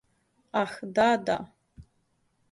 Ах, да, да.